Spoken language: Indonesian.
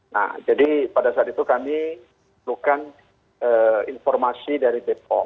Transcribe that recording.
nah jadi pada saat itu kami butuhkan informasi